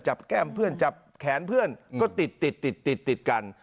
แก้มเพื่อนจับแขนเพื่อนก็ติดติดกัน